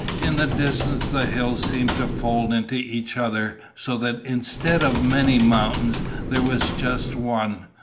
In the distance, the hills seemed to fold into each other, so that instead of many mountains there was just one.